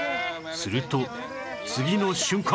すると次の瞬間